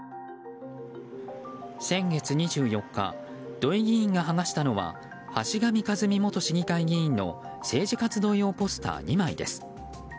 先月２４日土井議員が剥がしたのは橋上和美元市議会議員の政治活動用のポスター２枚です。